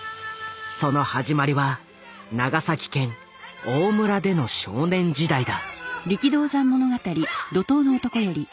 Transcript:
その始まりは長崎県大村での少年時代だ。